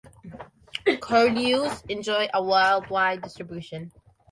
Curlews enjoy a worldwide distribution.